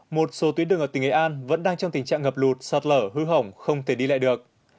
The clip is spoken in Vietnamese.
một số tuyến đường ở tỉnh nghệ an vẫn đang trong tình trạng ngập lụt sạt lở hư hỏng không thể đi lại được